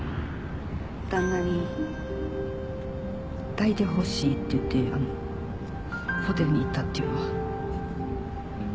旦那に抱いてほしいって言ってあのホテルに行ったっていうのは。